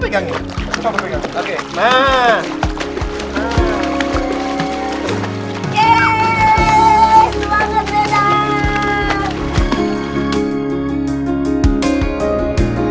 pegangannya jangan yang di situ di pinggiran dikit